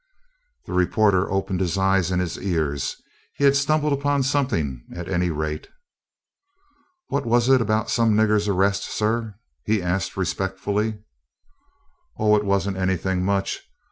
The reporter opened his eyes and his ears. He had stumbled upon something, at any rate. "What was it about some nigger's arrest, sir?" he asked respectfully. "Oh, it was n't anything much.